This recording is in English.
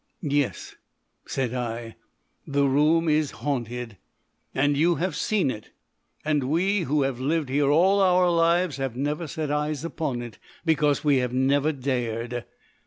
"Yes," said I; "the room is haunted." "And you have seen it. And we, who have lived here all our lives, have never set eyes upon it. Because we have never dared....